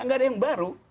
nggak ada yang baru